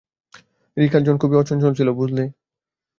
রিক আর জন খুবই অচঞ্চল ছিল, বুঝলে?